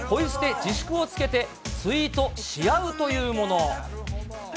自粛をつけて、ツイートし合うというもの。